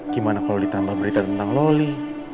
gimana kalau ditambah berita tentang loli